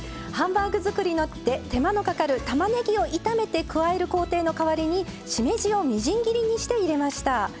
ハンバーグ作りの手間のかかるたまねぎを炒めて加える工程の代わりにしめじをみじん切りにして入れました。